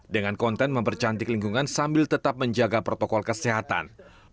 dengan konten mempercantik lingkungan sambil tetap menjaga protokol kesehatan